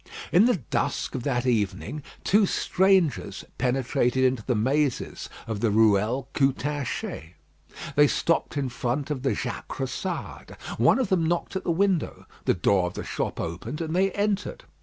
In the dusk of that evening, two strangers penetrated into the mazes of the Ruelle Coutanchez. They stopped in front of the Jacressade. One of them knocked at the window; the door of the shop opened, and they entered.